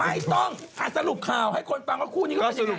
ไม่ต้องสรุปข่าวให้คนฟังว่าคู่นี้เขาเป็นยังไง